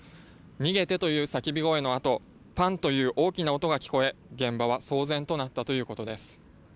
逃げてという叫び声のあとパンという大きな音が聞こえ現場は騒然となったということです。